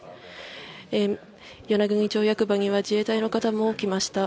与那国町役場には自衛隊の方も来ました。